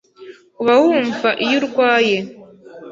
uba wumva iyo urwaye